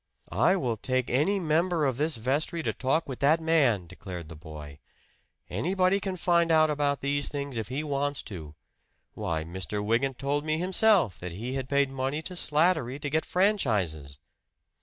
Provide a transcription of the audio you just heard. "I will take any member of this vestry to talk with that man!" declared the boy. "Anybody can find out about these things if he wants to. Why, Mr. Wygant told me himself that he had paid money to Slattery to get franchises!"